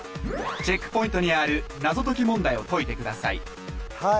チェックポイントにある謎解き問題を解いてください